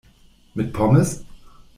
Mit Pommes?